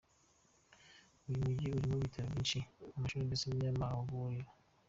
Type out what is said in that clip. Uyu mujyi urimo ibitaro byinshi, amashuri ndetse n’amaguriro.